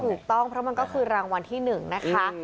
ถูกต้องเพราะมันก็คือรางวัลที่๑นะคะ